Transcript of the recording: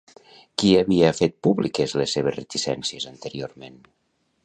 Qui havia fet públiques les seves reticències anteriorment?